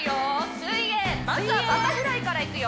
水泳まずはバタフライからいくよ